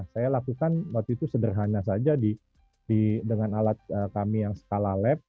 saya lakukan waktu itu sederhana saja dengan alat kami yang skala lab